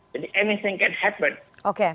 jadi apa saja yang bisa terjadi